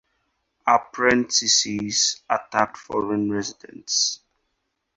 Apprentices attacked foreign residents.